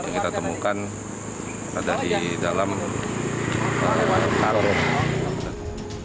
yang kita temukan ada di dalam karung